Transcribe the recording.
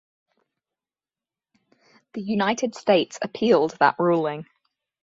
The United States appealed that ruling.